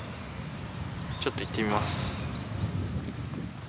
ちょっと行ってみます。